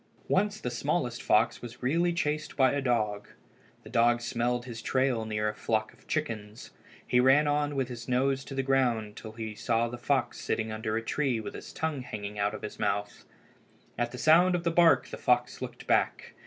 Once the smallest fox was really chased by a dog. The dog smelled his trail near a flock of chickens. He ran on with his nose to the ground till he saw the fox sitting under a tree with his tongue hanging out of his mouth. At the sound of the bark the fox looked back.